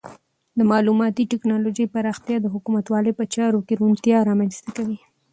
د معلوماتي ټکنالوژۍ پراختیا د حکومتولۍ په چارو کې روڼتیا رامنځته کوي.